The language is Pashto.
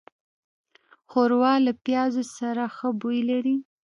ښوروا له پيازو سره ښه بوی لري.